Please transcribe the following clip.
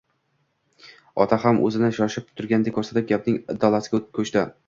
Ota ham o‘zini shoshib turgandek ko‘rsatib, gapning indallosiga ko‘chdi